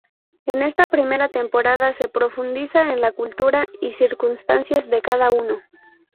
En esta primera temporada se profundiza en la cultura y circunstancias de cada uno.